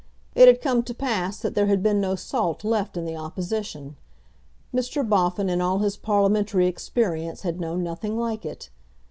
It had come to pass that there had been no salt left in the opposition. Mr. Boffin in all his parliamentary experience had known nothing like it.